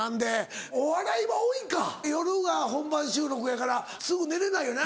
お笑いは多いか夜が本番収録やからすぐ寝れないよな。